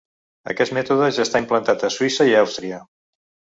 Aquest mètode ja està implantat a Suïssa i Àustria.